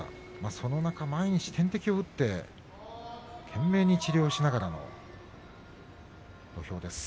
その中、毎日、点滴を打って懸命に治療しながらの土俵です